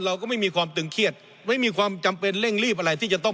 เราก็ไม่มีความตึงเครียดไม่มีความจำเป็นเร่งรีบอะไรที่จะต้อง